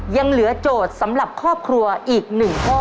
ยังเหลือโจทย์สำหรับครอบครัวอีก๑ข้อ